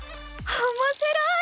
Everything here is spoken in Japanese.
おもしろい！